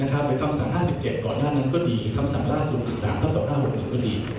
หรือคำสั่ง๕๗ก่อนหน้านั้นก็ดีหรือคำสั่งล่า๐๑๓๒๕๖๑ก็ดี